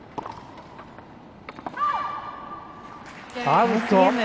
アウト。